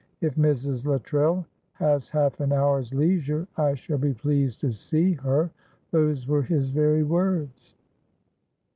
'If Mrs. Luttrell has half an hour's leisure I shall be pleased to see her,' those were his very words."